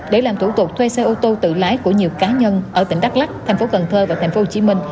để làm thủ tục thuê xe ô tô tự lái của nhiều cá nhân ở tỉnh đắk lắc tp cn và tp hcm